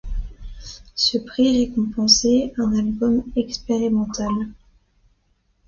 Ce prix récompensait un album expérimental.